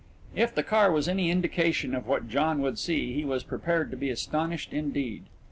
If the car was any indication of what John would see, he was prepared to be astonished indeed.